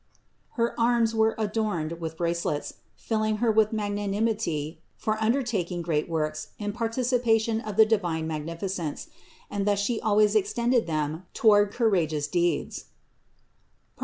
Her arms were adorned with bracelets, filling Her with magnanimity for undertaking great works in par ticipation of the divine magnificence ; and thus She always extended them toward courageous deeds (Prov.